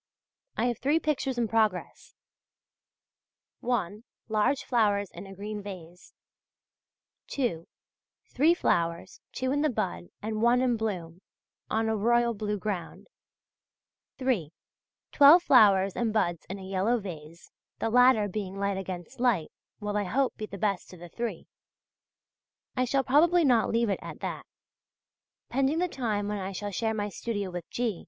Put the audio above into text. I have three pictures in progress: (1) Large flowers in a green vase; (2) Three flowers, two in the bud and one in bloom, on a royal blue ground; (3) Twelve flowers and buds in a yellow vase (the latter being light against light), will I hope be the best of the three. I shall probably not leave it at that. Pending the time when I shall share my studio with G.